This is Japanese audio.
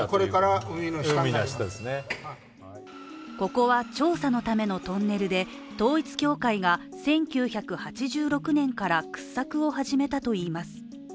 ここは調査のためのトンネルで統一教会が１９８６年から掘削を始めたといいます。